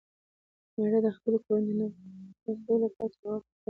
مېړه د خپلې کورنۍ د نفقې لپاره تر ناوخته کار کوي.